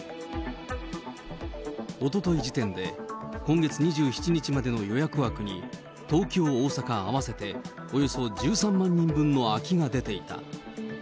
おととい時点で、今月２７日までの予約枠に、東京、大阪合わせておよそ１３万人分の空きが出ていた。